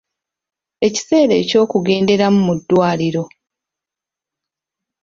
Ekiseera eky’okugenderamu mu ddwaliro.